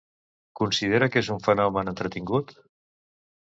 Considera que és un fenomen entretingut?